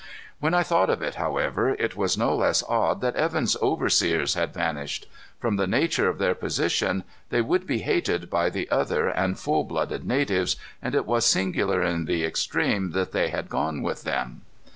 When I thought of it, however, it was no less odd that Evan's overseers had vanished. From the nature of their position, they would be hated by the other and full blooded natives, and it was singular in the extreme that they had gone with them.